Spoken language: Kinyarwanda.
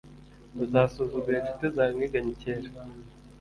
uzasuzugura inshuti zawe mwiganye kera,